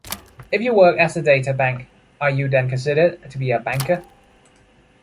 If you work as a data bank are you then also considered to be a banker?